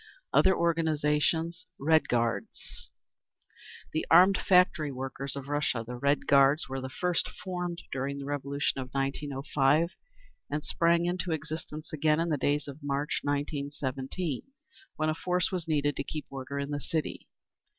Other Organisations Red Guards. The armed factory workers of Russia. The Red Guards were first formed during the Revolution of 1905, and sprang into existence again in the days of March, 1917, when a force was needed to keep order in the city.